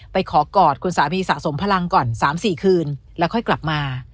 ไปขอกอดคุณสามีสะสมพลังก่อน๓๔คืนแล้วค่อยกลับมา